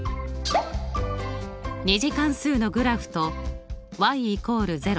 ２次関数のグラフと＝０。